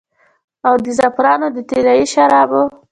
او د زعفران د طلايي شرابو